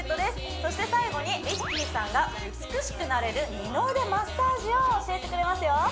そして最後にＲＩＣＫＥＹさんが美しくなれる二の腕マッサージを教えてくれますよ